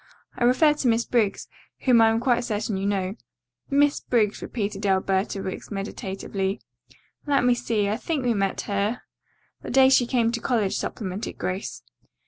I refer to Miss Briggs, whom I am quite certain you know." "Miss Briggs," repeated Alberta Wicks, meditatively. "Let me see, I think we met her " "The day she came to college," supplemented Grace.